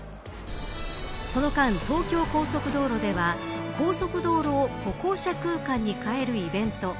その間、東京高速道路では高速道路を歩行者空間に変えるイベント